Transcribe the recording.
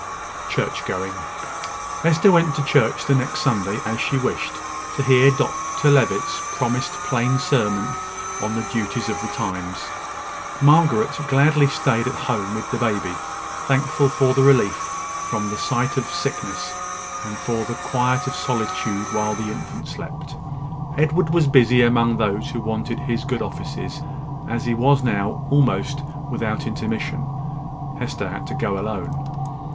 CHURCH GOING. Hester went to church the next Sunday, as she wished, to hear Dr Levitt's promised plain sermon on the duties of the times. Margaret gladly staid at home with the baby, thankful for the relief from the sight of sickness, and for the quiet of solitude while the infant slept. Edward was busy among those who wanted his good offices, as he now was, almost without intermission. Hester had to go alone.